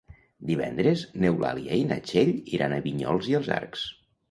Divendres n'Eulàlia i na Txell iran a Vinyols i els Arcs.